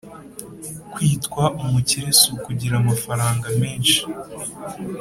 Kuitwa umukire sukugira amafaranga menshi